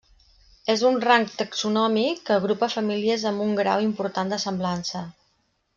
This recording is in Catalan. És un rang taxonòmic que agrupa famílies amb un grau important de semblança.